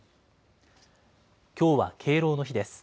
きょうは敬老の日です。